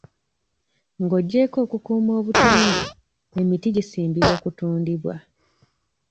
Ng'ogyeko okukuuma obutonde, emiti gisimbibwa kutundibwa.